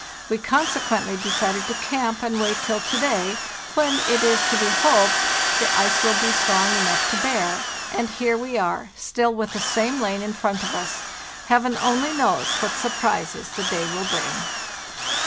We consequently decided to camp and wait till to day, when it is to be hoped the ice will be strong enough to bear. And here we are still with the same lane in front of us. Heaven only knows what surprises the day will bring.